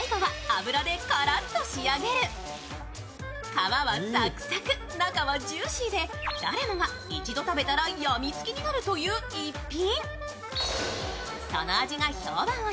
皮はサクサク、中はジューシーで誰もが一度食べたらやみつきになるという逸品。